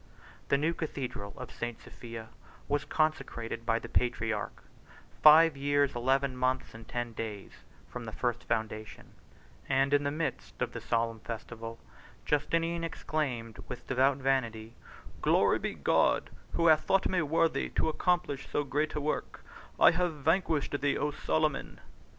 The new Cathedral of St. Sophia was consecrated by the patriarch, five years, eleven months, and ten days from the first foundation; and in the midst of the solemn festival Justinian exclaimed with devout vanity, "Glory be to God, who hath thought me worthy to accomplish so great a work; I have vanquished thee, O Solomon!"